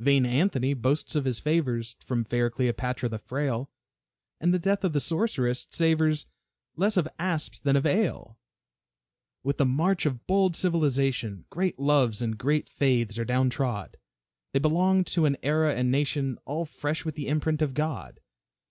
Vain Anthony boasts of his favors From fair Cleopatra the frail, And the death of the sorceress savors Less of asps than of ale. With the march of bold civilization, Great loves and great faiths are down trod, They belonged to an era and nation All fresh with the imprint of God.